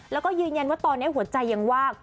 แล้วก็ยืนยันว่าตอนนี้หัวใจยังว่าง